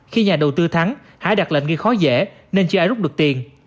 khi nhà đầu tư thắng hải đặt lệnh ghi khó dễ nên chưa ai rút được tiền